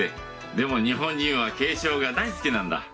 でも日本人は敬称が大好きなんだ。